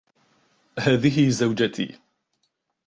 هذه زوجتي.